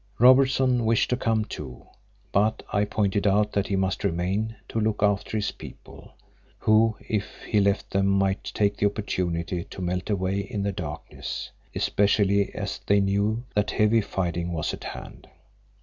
Robertson wished to come too, but I pointed out that he must remain to look after his people, who, if he left them, might take the opportunity to melt away in the darkness, especially as they knew that heavy fighting was at hand.